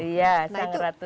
iya sang ratu